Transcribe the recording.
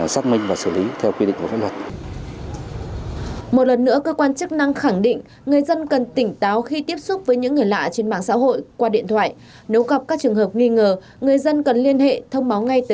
xác minh và xử lý theo quy định của pháp luật